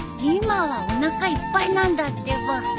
今はおなかいっぱいなんだってば。